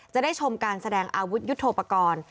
จะได้ชมการแสดงอาวุธยุทธโปรกรณ์